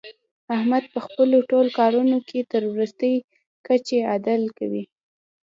احمد په خپلو ټول کارونو کې تر ورستۍ کچې عدل کوي.